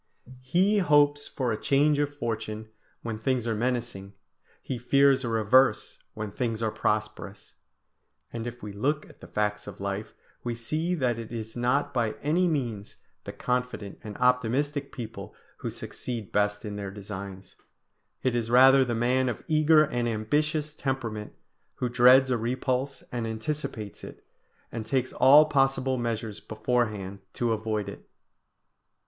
"He hopes for a change of fortune when things are menacing, he fears a reverse when things are prosperous." And if we look at the facts of life, we see that it is not by any means the confident and optimistic people who succeed best in their designs. It is rather the man of eager and ambitious temperament, who dreads a repulse and anticipates it, and takes all possible measures beforehand to avoid it.